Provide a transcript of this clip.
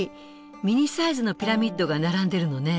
ミニサイズのピラミッドが並んでいるのね。